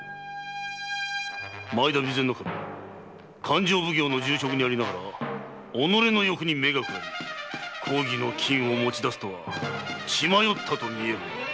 勘定奉行の重職にありながら己の欲に目が眩み公儀の金を持ち出すとは血迷ったと見えるな。